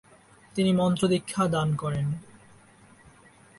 তিনি মন্ত্রদীক্ষা দান করেন।